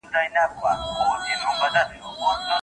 که مړ سړی ژوندی وای، په ډګر کي به یې ږدن او اتڼ خوښول.